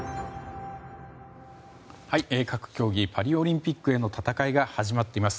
各競技パリオリンピックへの戦いが始まっています。